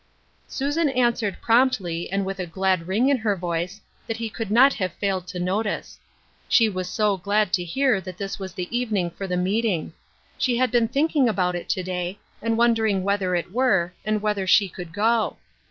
Susan answered promptly, and with a glad 76 Ruth Erskine Crosses. ring in her voice that he could not have failed to notice. She was so glad to hear that this was the evening for the meeting. She had been thinking about it to day, and wondering whether it were, and whether she could go.